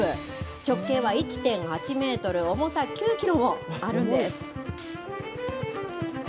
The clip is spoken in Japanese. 直径は１．８メートル、重さ９キロもあるんです。